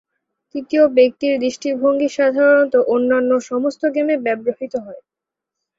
তৃতীয় ব্যক্তির দৃষ্টিভঙ্গি সাধারণত অন্যান্য সমস্ত গেমে ব্যবহৃত হয়।